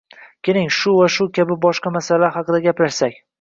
Keling, shu va shu kabi boshqa masalalar haqida gaplashsak.